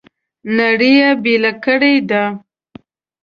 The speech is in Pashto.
نړۍ یې بېله کړې ده.